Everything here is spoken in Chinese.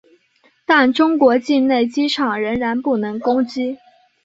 但中国境内机场依然不能攻击。